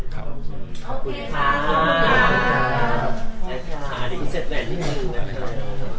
ขอบคุณครับ